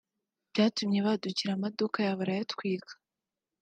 byatumye badukira amaduka yabo barayatwika